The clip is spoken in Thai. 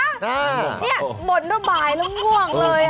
เงี่ยเหมือนว่าบ่ายแล้วง่วงเลยอะ